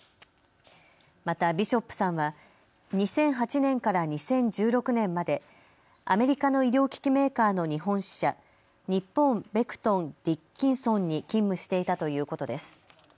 またビショップさんは２００８年から２０１６年までアメリカの医療機器メーカーの日本支社、日本ベクトン・ディッキンソンに勤務していたということです。